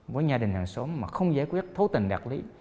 với nhà đình hàng xóm mà không giải quyết thấu tình đặc lý